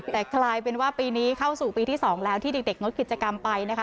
แต่กลายเป็นว่าปีนี้เข้าสู่ปีที่๒แล้วที่เด็กงดกิจกรรมไปนะคะ